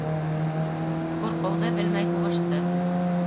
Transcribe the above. Ҡурҡыуҙы белмәй һуғышты...